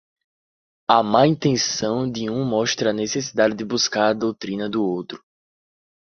A má intenção de um mostra a necessidade de buscar a doutrina do outro.